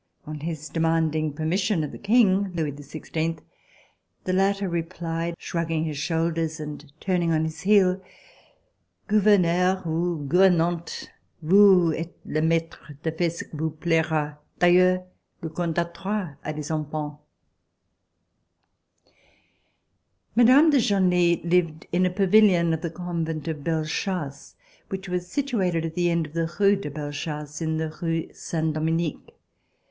On his demanding permission of the King, Louis XVI, the latter replied, shrugging his shoulders and turn ing on his heel: "Gouverneur ou Gouvernante! vous etes le maitre de faire ce qu'il vous plaira; d'ailleurs, le Comte d'Artois a des enfants." Mme. de Genlis lived in a pavilion of the Convent of Belle Chasse, which was situated at the end of the Rue de Belle Chasse, in the Rue Saint Dominique.